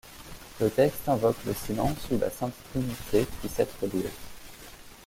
Le texte invoque le silence où la Sainte Trinité puisse être louée.